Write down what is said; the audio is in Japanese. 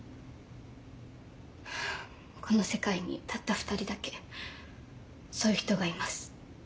この世界にたった２人だけそういう人がいます。